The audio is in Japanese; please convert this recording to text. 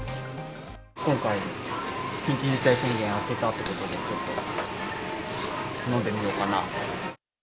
今回、緊急事態宣言明けたってことで、ちょっと飲んでみようかなと。